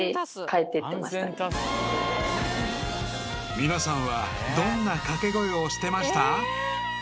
［皆さんはどんな掛け声をしてました？］